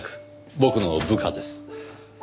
僕の部下です。